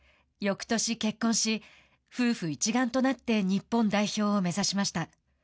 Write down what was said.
翌年結婚し夫婦一丸となって日本代表を目指しました。